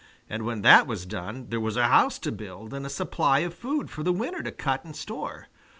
And when that was done there was a house to build and a supply of food for the winter to cut and store.